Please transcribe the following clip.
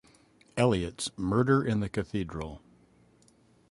Eliot's "Murder in the Cathedral".